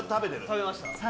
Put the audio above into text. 食べました。